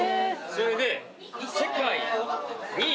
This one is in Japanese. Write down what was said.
それで。